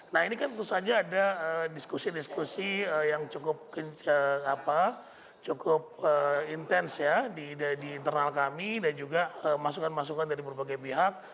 nah ini kan tentu saja ada diskusi diskusi yang cukup intens ya di internal kami dan juga masukan masukan dari berbagai pihak